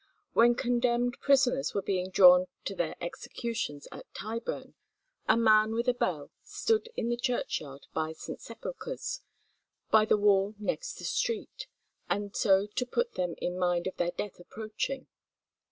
When condemned prisoners were being "drawn to their executions at Tyburn," a man with a bell stood in the churchyard by St. Sepulchre's, by the wall next the street, and so to put them in mind of their death approaching.